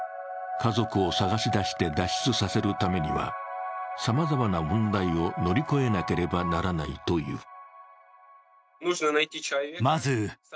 家族を探し出して脱出させるためには、さまざまな問題を乗り越えなければならないという。